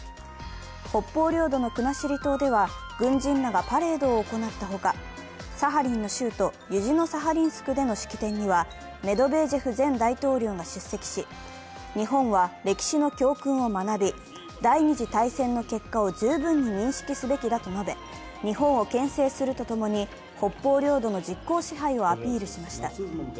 北方領土の国後島では、軍人らがパレードを行ったほか、サハリンの州都ユジノサハリンスクでの式典にはメドベージェフ前大統領が出席し日本は歴史の教訓を学び、第二次大戦の結果を十分に認識すべきだと述べ、日本をけん制するとともに北方領土の実効支配をアピールしました。